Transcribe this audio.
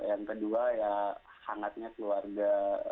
yang kedua ya hangatnya keluarga